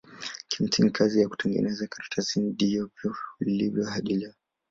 Kimsingi kazi ya kutengeneza karatasi ndivyo ilivyo hadi leo.